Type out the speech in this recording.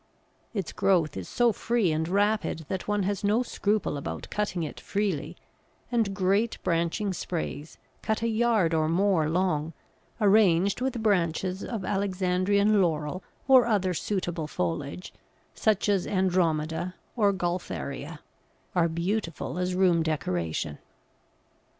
Its growth is so free and rapid that one has no scruple about cutting it freely; and great branching sprays, cut a yard or more long, arranged with branches of Alexandrian Laurel or other suitable foliage such as Andromeda or Gaultheria are beautiful as room decoration.